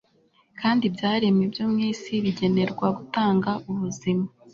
kandi ibyaremwe byo mu isi bigenerwa gutanga ubuzima